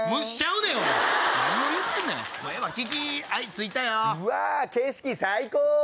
うわ景色最高！